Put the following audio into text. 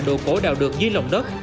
đồ cổ đào được dưới lồng đất